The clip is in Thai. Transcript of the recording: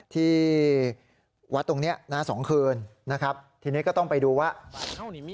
ที่วัดตรงเนี้ยนะสองคืนนะครับทีนี้ก็ต้องไปดูว่า